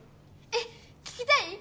えっ聞きたい？